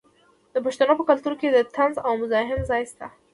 د پښتنو په کلتور کې د طنز او مزاح ځای شته.